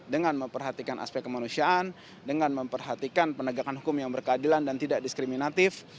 dengan memperhatikan aspek kemanusiaan dengan memperhatikan penegakan hukum yang berkeadilan dan tidak diskriminatif